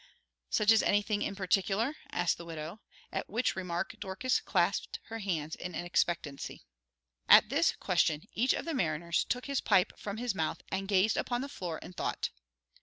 "Such as anything in particular?" asked the widow, at which remark Dorcas clasped her hands in expectancy. At this question each of the mariners took his pipe from his mouth and gazed upon the floor in thought.